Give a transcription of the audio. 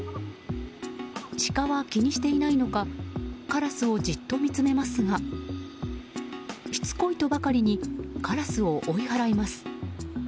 シカは気にしていないのかカラスをじっと見つめますがしつこいとばかりにカラスを追い払います。